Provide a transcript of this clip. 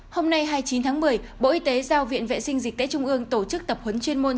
hôm nay hai mươi chín tháng một mươi bộ y tế giao viện vệ sinh dịch tễ trung ương tổ chức tập huấn chuyên môn